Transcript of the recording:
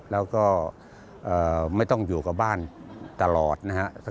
แล้วก็ไม่ต้องอยู่กับบ้านตลอดนะครับ